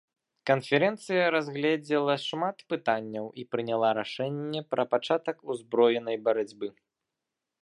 Канферэнцыя разгледзела шмат пытанняў і прыняла рашэнне пра пачатак узброенай барацьбы.